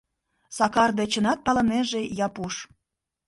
— Сакар дечынат палынеже Япуш.